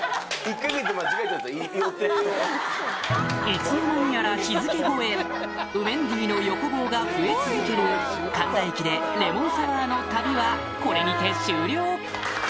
いつの間にやら日付越えうメンディーの横棒が増え続ける神田駅でレモンサワーの旅はこれにて終了！